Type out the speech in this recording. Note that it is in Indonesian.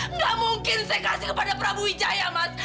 nggak mungkin saya kasih kepada prabu wijaya mas